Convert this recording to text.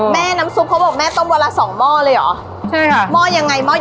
แม่น้ำซุปเขาบอกแม่ต้มวันละสองหม้อเลยเหรอใช่ค่ะหม้อยังไงหม้ออยู่